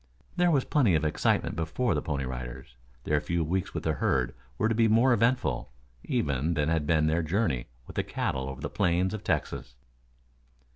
There was plenty of excitement before the Pony Riders. Their few weeks with the herd were to be more eventful, even, than had been their journey with the cattle over the plains of Texas.